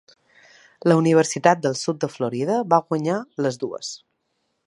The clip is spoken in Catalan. La Universitat del sud de Florida va guanyar les dues.